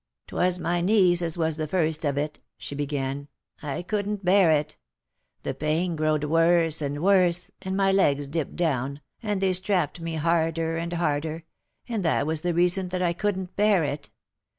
" 'Twas my knees as was the first of it," she began ;" I couldn't bear it. The pain growed worse and worse, and my legs dipped down, and they strapped me harder and harder, and that was the reason that I couldn't bear it.